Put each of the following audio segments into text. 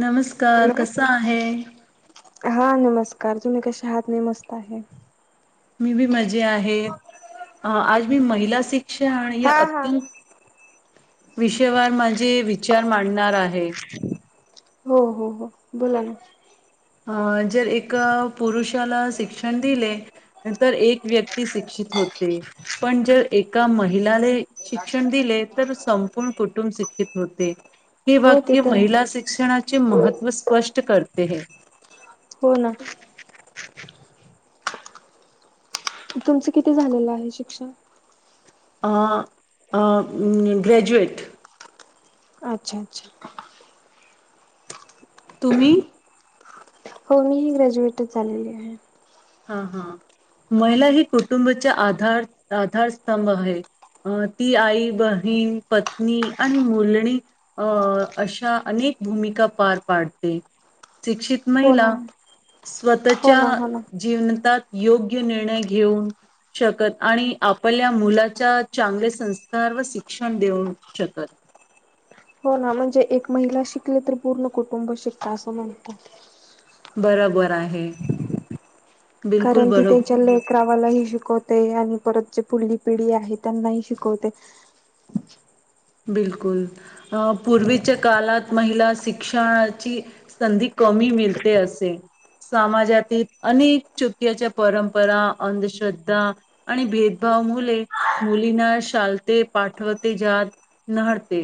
नमस्कार हॅलो कसा आहे हा नमस्कार तुम्ही कशा आहात मी मस्त आहे मी बी मजे आहेत आज मी महिला शिक विषया आणि या हा हा. अत्यंत विषयवर माझे विचार मांडणार आहे आहे हो हो हो बोला ना हं जर एका पुरुष त्याला शिक्षण दिले, तर एक व्यक्ती शिक्षित होते, पण जर एका महिलाला शिक्षण दिले तर संपूर्ण कुटुंब शिक्षित होते. हे हो ते वाक्य तर आहे. महिला शिक्षणाचे महत्त्व स्पष्ट करते हे हो ना तुमचं किती झालेलं आहे शिक्षण अं अ ग्रेॅज्युएट अच्छा अच्छा तुम्ही हो मी ही ग्रॅज्युएटच झालेली आहे हा महिला ही कुटुंबाच्या आधार आधारस्तंभ आहे, अ ती आई, बहीण, पत्नी आणि मुलणी अं अशा अनेक भूमिका पार पाडते. शिक्षित हो महिला ना हो स्वतःच्या ना हो ना. जीवनतात योग्य निर्णय घेऊन शकत आणि आपल्या मुलांच्या चांगले संस्कार व शिक्षण देऊन शकत हो ना म्हणजे एक महिला शिकली तर पूर्ण कुटुंब शिकतं असं म्हणतात बरोबर आहे बिलकुल कारण ती बरोबर. त्य लेकरावालाही शिकवत ते आणि परत जे फुढली पिढी आहे त्यांना ही शिकवते बिलकुल अ पूर्वीच्या काळात महिला शिक्षणाची संधी कमी मिळते, असे समाजातील अनेक चुक्याच्या परंपरा अंधश्रद्धा आणि भेदभाव मुले मुलींना शालते पाठवते जात नडते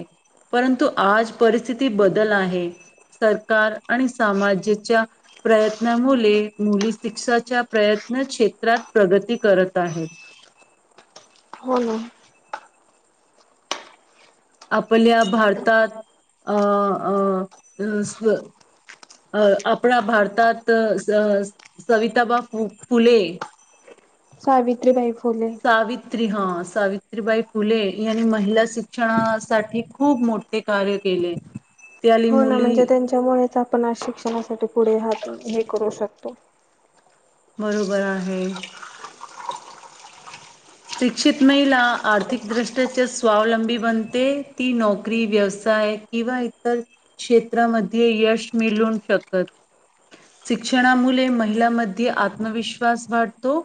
परंतु आज परिस्थिती बदल आहे सरकार आणि सामाजाच्या प्रयत्नामुळे मुली शिक्षाच्या प्रयत्न क्षेत्रात प्रगती करत आहेत हो न. आपल्या भारतात अं अं अ स आपला भारतात स स सविताबा फ फुले सावित्री बाई सावित्री हा. सावित्रीबाई फुले यांनी महिला शिक्षणासाठी खूप मोठे कार्य केले. त्याली हो ना मुली म्हणजे त्यांच्यामुळेच आ पण आज शिक्षणासाठी पुढे हात हे करू शकतो. बरोबर आहे. शिक्षित महिला आर्थिकदृष्ट्याचे स्वावलंबी बनते ती नोकरी व्यवसाय किंवा इतर क्षेत्रामध्ये यश मिळवु शकत शिक्षणामुळे महिलांमध्ये आत्मविश्वास वाढतो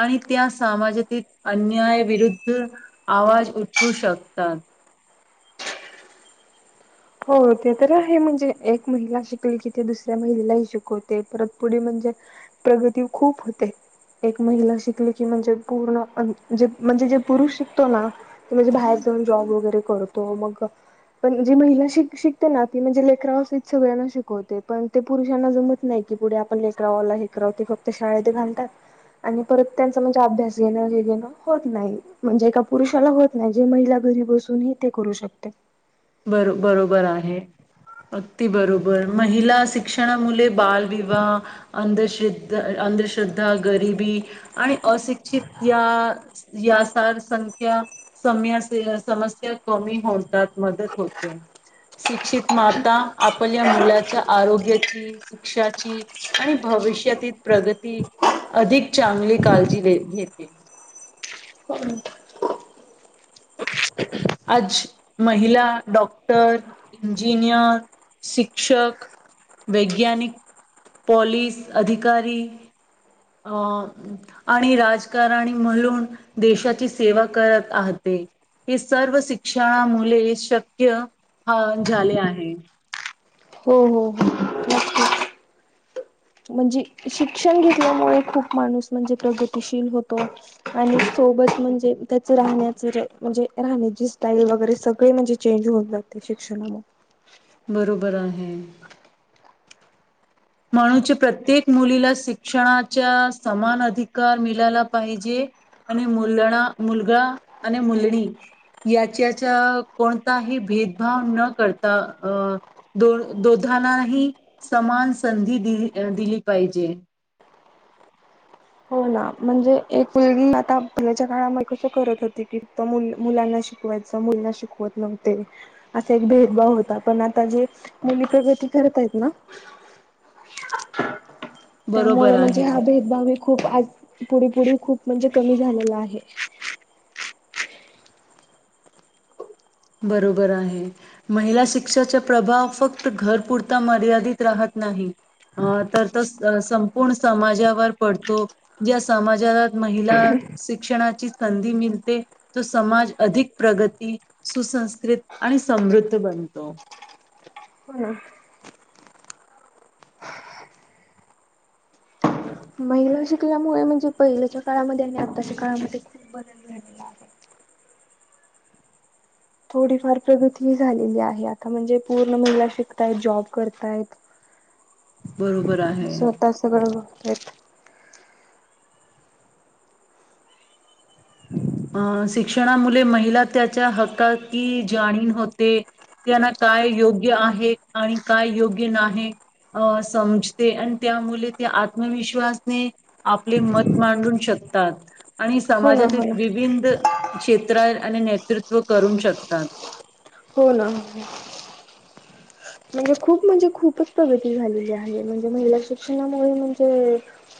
आणि त्या सामाजातील अन्यायविरुद्ध आवाज उठू शकतात. हो ते तर आहे म्हणजे एक महिला शिकली कि ते दुसऱ्या महिलेलाही शिकवते परत पुढे म्हणजे प्रगती खूप होते एक महिला शिकली की म्हणजे पूर्णे म्हणजे जे पुरुष शिकतो ना ते म्हणजे बाहेर जाऊन जॉब वगैरे कर तो मग पण जे महिला शि शिकते ना ती म्हणजे लेकरावा सगळ्यांना शिकवते पण ते पुरुषांना जमत नाही, पुढे आपण लेकरावाला हेकराव ते फक्त शाळेत घालतात आणि परत त्यांचा म्हणजे अभ्यास घेणं हे घेणं होत नाही म्हणजे एका पुरुषाला होत नाही जे महिला घरी बसूनही ते करू शकते. बरो बरोबर आहे अगदी बरोबर महिला शिक्षणामुले बालविवाह अंधश्रद्ध अंधश्रद्धा गरीबी आणि अशिक्षित या यासार संख्या सम्यास समस्या कमी होतात मदत होते शिक्षित माता आपल्या मुलाच्या आरोग्याची शिक्षाची आणि भविष्यातील प्रगती अधिक चांगली काळजी घ घेते. हो आज महिला डॉक्टर, इंजिनियर, शिक्षक, वैज्ञानिक, पॉलीस अधिकारी अ आणि राजकारणी म्हणून देशाची सेवा करत आहते हे स सर्व शिक्षणा मुले शक्य ह झाले आहे. हो हो हो नक्की म्हणजे शिक्षण घेतल्यामुळे खूप माणूस म्हणजे प्रगतीशील होतो आणि सोबत म्हणजे त्याचं राहण्याच म्हणजे राहण्याची स्टाईल वगैरे सगळे म्हणजे चेंज होत जाते शिक्षणामुळे. बरोबर आहे. म्हणुच प्रत्येक मुलीला शिक्षणाचा समान अधिकार मिळाला पाहिजे आणि मुलणा मुलगा आणि मुलणी याच्याचा कोणताही भेदभाव न करता अं दो दोधांनाही समान संधी दि अ दिली पाहिजे. हो ना म्हणजे एक मुली आता पुण्याच्या काळामध्ये कसं करत होती की मु मुलांना शिकवायचं मुलींना शिकवत नव्हते असा एक भेदभाव होता पण आता जे मुली प्रगती करतायत ना त्यामुळे बरोबर म्हणजे आहे. हा भेदभाव एक खूप आज पुढे पुढे खूप म्हणजे कमी झालेलं आहे. बरोबर आहे महिला शिक्षाचा प्रभाव फक्त घर पुुरता मर्यादित राहत नाही अं तर तो स संपूर्ण समाजावर पडतो ज्या समाजात महिला शिक्षणाची संधी मिळते तो समाज अधिक प्रगती सुसंस्कृत आणि समृद्ध बनतो. हो ना. महिला शिकल्यामुळे म्हणजे पहिल्याच्या काळामध्ये आणि आताच्या काळामध्ये खूप बदल झालेला आहे. थोडीफार प्रगती झालेली आहे आता म्हणजे पूर्ण महिला शिकतायत जॉब करतायत. बरोब स्वतः सगळं येत अं शिक्षणामुले महिला त्याच्या हकाकी जाणीव होते त्यांना काय योग्य आहे आणि काय योग्य नाही अं समजते आणि त्यामुले ते आत्मविश्वासने आपले मत मांडू शकतात. आणि हो ना समाजाती हो ना. विंद क्षेत्रा आणि नेतृत्व करून शकतात. हो ना हो. म्हणजे खूप म्हणजे खूपच प्रगती झालेली आहे. म्हणजे महिला शिक्षणामुळे म्हणजे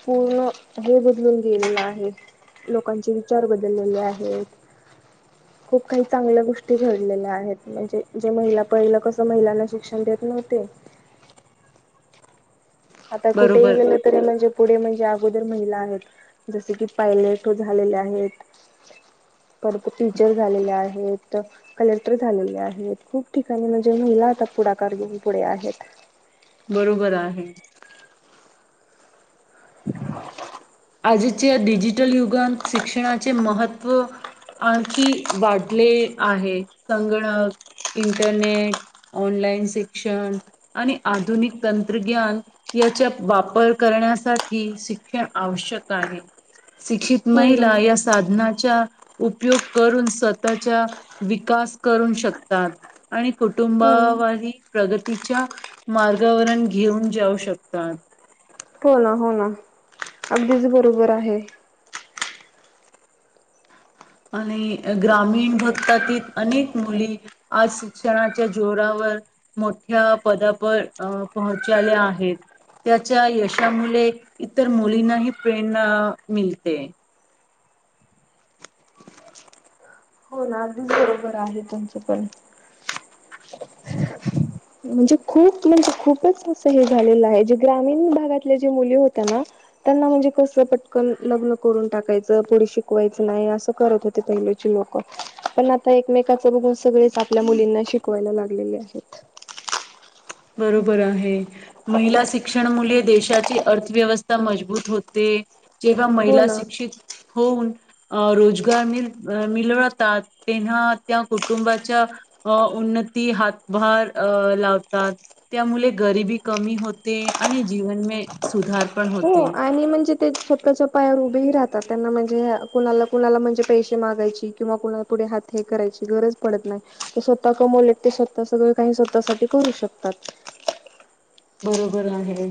पूर्ण हे बदलून गेलेलं आहे लोकांचे विचार बदललेले आहेत. खूप काही चांगल्या गोष्टी घडलेल्या आहेत म्हणजे जे महिला पहिलं कस महिलांना शिक्षण देत नव्हते. आता कुठेही बरोबर गेल तरी म्हणजे पुढे म्हणजे अगोदर महिला आहेत जसे की पायलट झालेल्या आहेत, परत टीचर झालेले आहेत कलेक्टर झालेले आहेत खूप ठिकाणी म्हणजे महिला आता पुढाकार घेऊन पुढे आहेत. बरोबर आहे. [inaudible] आजीच्या डिजिटल युगात शिक्षणाचे महत्त्व आणखी वाढले आहे. संगणक, इंटरनेट, ऑनलाइन शिक्षण आणि आधुनिक तंत्रज्ञान याचा वापर करण्यासाठी शिक्षण आवश्यक आहे शिक्षित हो ना महिला या साधनात चा उपयोग करून स्वतःचा विकास करु शकतात. आणि हो कुटुंबावाही प्रगतीच्या मार्गावरण घेऊन जाऊ शकतात. हो ना हो ना अगदीच बरोबर आहे आणि ग्रामीण भक्तातील अनेक मुली आज शिक्षणाच्या जोरावर मोठ्या पदापं पोहोचाल्या आहेत त्याच्या यशामुळे इतर मुलींनाही प्रेरणा मिळते हो ना आधीच बरोबर आहे तुमचे पण म्हणजे खूप म्हणजे खूपच असं हे झालेलं आहे जे ग्रामीण भागातल्या जी मुली होत्या ना त्यांना म्हणजे कस पटकन लग्न करून टाकायचं पुढे शिकवायचं नाही असं करत होते पहिलची लोक पण आता एकमेक सगळेच आपल्या मुलींना शिकवायला लाग लेले आहेत बरोबर आहे महिला शिक्षण मुळे. देशाची अर्थव्यवस्था मजबूत होते. जेव्हा हो महिला ना शिक्षित होऊन. अ रोजगार मि मिळळतात तेव्हा त्या कुटुंबाच्या अ उन्नती हातभार अ लावतात. त्यामुळे गरिबी कमी होते. आणि जीवन मे सुधार पण हो होते. आणि म्हणजे ते स्वतःच्या पायावर उभेही राहतात. त्यांना म्हणजे कुणाला कुनाला म्हणजे पैसे मागायची. किंवा कुणाला पुढे हात हे करायची गरज पडत नाही. तर स्वतः कमवले ते स्वतः सगळ काही स्वतःसाठी करू शकतात. बरोबर आहे.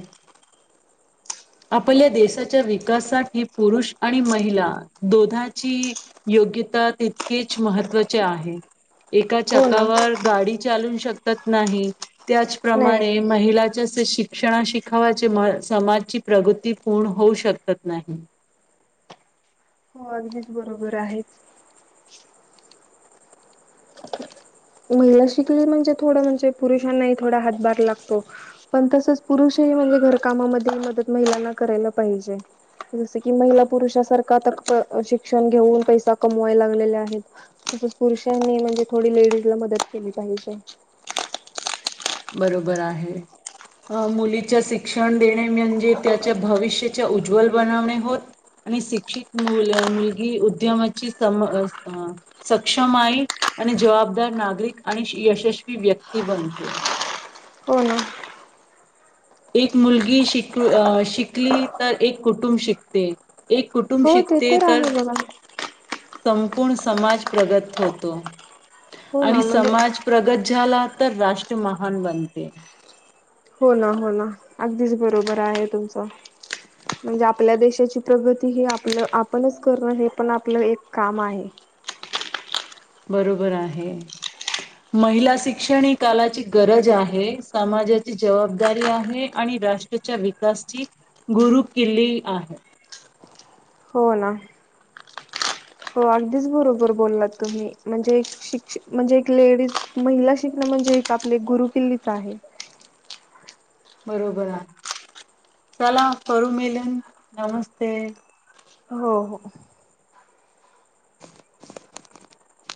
आपल्या देशाच्या विकासासाठी पुरुष आणि महिला दोघाची ही योग्यता तितकीच महत्त्वाचे आहे. एका हो ना चाकावर गाडी. चालू शकत नाही. नाही त्याचप्रमाणे नाही महिलाच्या शिक क्षणा शिखावायचे म समाजची. प्रगती पूर्ण होऊ शकतत नाही. हो अगदीच बरोबर आहेच. महिला शिकली म्हणजे. थोड म्हणजे पुरुषांनाही थोडा हातभार लागतो. पण तसच पुरुषही म्हणजे घरकामामध्ये मदत महिलांना करायला पाहिजे. जस की महिला पुरुषासारखा शिक्षण घेऊन पैसा कमवायला लागलेल्या आहेत. तसच पुरुषांनी म्हणजे थोडी लेडीज. ला मदत केली पाहिेजे. बरोबर आहे. अ मुलीच्या शिक्षण देणे म्हणजे त्याच्या भविष्याच्या उज्ज्वल बनवणे होत. आणि शिक्षित मु मुलगी उद्यमाची सम सक्षम आई आणि जबाबदार नागरिक आणि यशस्वी व्यक्ती बनते. हो ना. एक मुलगी शिक शिकली तर एक कुटुंब शिकते. एक कुटुंब हो ते शिकते तर आहे बघा. संपूर्ण समाज प्रगत होतो. हो ना आणि म्हणजे समाज प्रगती झाला तर राष्ट्र महान बनते. हो ना. हो ना. अगदीच बरोबर आहे तुमच. म्हणजे आपल्या देशाची प्रगती ही आपलं आपणच करण हे पण आपलं एक काम आहे. बरोबर आहे. महिला शिक्षण ही काळाची गरज आहे. समाजाची जबाबदारी आहे. आणि राष्ट्राच्या विकासची गुरु किल्ली आहे. हो ना. हो अगदीच बरोबर बोललात तुम्ही. म्हणजे एक शिक्ष म्हणजे एक लेडीज महिला शिकण म्हणजे. एक आपले गुरु किल्लीच आहे. बरोबर आहे चला करू मिलन नमस्ते. हो हो. [inaudible]